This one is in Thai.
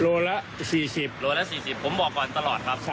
โลละ๔๐บาทผมบอกก่อนตลอดครับ